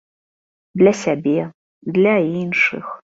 Для сябе, для іншых.